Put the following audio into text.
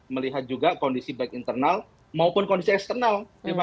melihat juga kondisi baik internal maupun kondisi eksternal